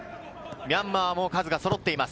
ミャンマーも数が揃っています。